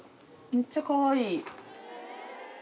めっちゃかわいい！